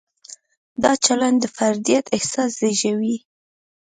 دا چلند د فردیت احساس زېږوي.